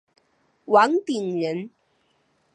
王鼎人。